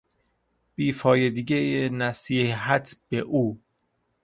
بیفایدگی نصیحت به او